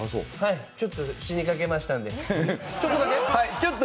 ちょっと死にかけましたんで。